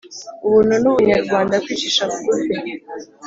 ubuntu n’ubunyarwanda, kwicisha bugufi,